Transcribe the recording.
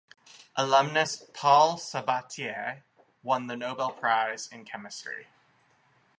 Alumnus Paul Sabatier won the Nobel Prize in Chemistry.